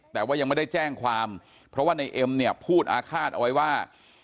แต่ว่ายังไม่ได้แจ้งความเพราะว่าในเอ็มเนี่ยพูดอาฆาตเอาไว้ว่า